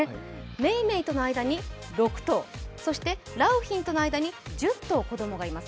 梅梅との間に６頭、そして良浜との間に１０頭子供がいます。